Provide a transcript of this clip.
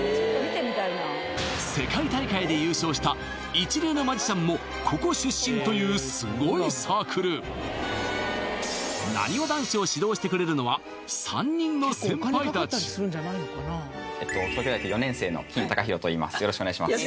今回の青春マニアさんはここ出身というすごいサークルなにわ男子を指導してくれるのは３人の先輩たちえっと東京大学４年生の金孝宏といいますよろしくお願いします